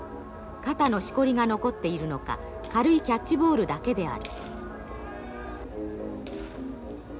肩のしこりが残っているのか軽いキャッチボールだけである。